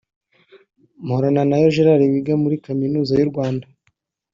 Mporananayo Gerard wiga muri Kaminuza y’u Rwanda